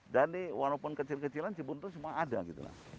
jadi walaupun kecil kecilan jebuntu semua ada gitu lah